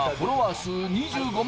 数２５万